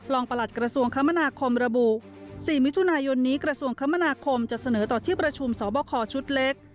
ประหลัดกระทรวงคมนาคมระบุ๔มิถุนายนนี้กระทรวงคมนาคมจะเสนอต่อที่ประชุมสอบคอชุดเล็ก